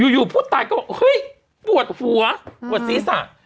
อยู่ผู้ตายก็คือเฮ้ยบวดหัวบวดศรีส่า